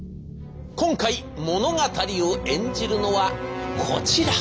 今回物語を演じるのはこちら！